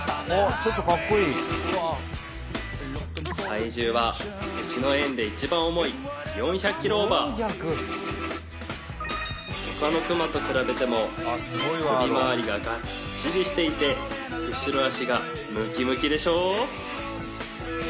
体重はうちの園で一番重い４００ｋｇオーバー他のクマと比べても首回りがガッチリしていて後ろ足がムキムキでしょ？